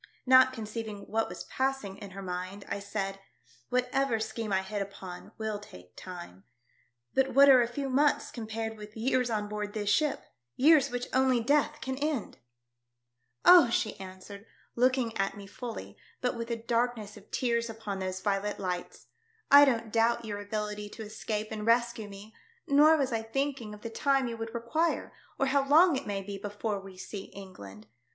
Not conceiving what was passing in her mind, I said, "Whatever scheme I hit upon will take time. But what are a few months compared with years on board this ship — years which only death can end !" IMOGENE SAYS SHE WILL TRUST ME. 10/ " Oh !" she answered, looking at me fully, but with a darkness of tears upon those violet lights, " I don't doubt your ability to escape and rescue me, nor was I thinking of the time you would require or how long it may be before we see Encland.